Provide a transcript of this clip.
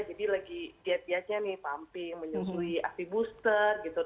jadi lagi get getnya nih pumping menyusui aksi booster gitu